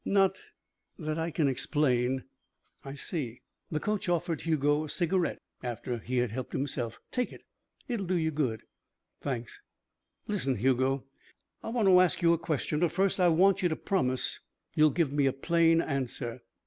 "Not that I can explain." "I see." The coach offered Hugo a cigarette after he had helped himself. "Take it. It'll do you good." "Thanks." "Listen, Hugo. I want to ask you a question. But, first, I want you to promise you'll give me a plain answer."